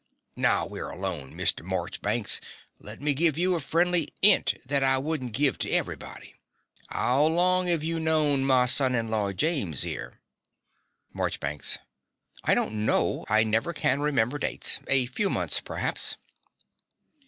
Now we're alone, Mr. Morchbanks, let me give you a friendly 'int that I wouldn't give to everybody. 'Ow long 'ave you known my son in law James here? MARCHBANKS. I don't know. I never can remember dates. A few months, perhaps.